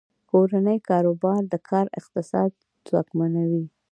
کورني کاروبارونه د ښار اقتصاد ځواکمنوي.